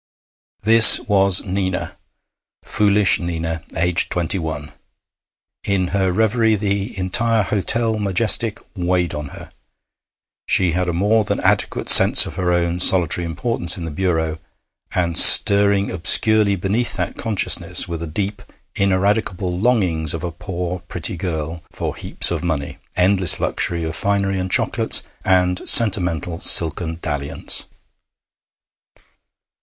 This was Nina, foolish Nina, aged twenty one. In her reverie the entire Hôtel Majestic weighed on her; she had a more than adequate sense of her own solitary importance in the bureau, and stirring obscurely beneath that consciousness were the deep ineradicable longings of a poor pretty girl for heaps of money, endless luxury of finery and chocolates, and sentimental silken dalliance.